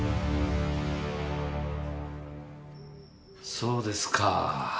そうですか。